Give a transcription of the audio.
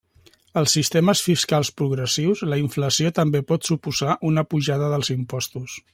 Als sistemes fiscals progressius, la inflació també pot suposar una pujada dels impostos.